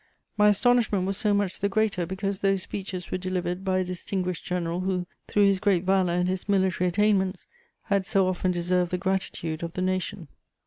My astonishment was so much the greater because those speeches were delivered by a distinguished general who, through his great valour and his military attainments, has so often deserved the gratitude of the nation."